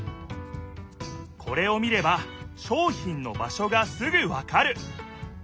これを見れば商品の場所がすぐわかる！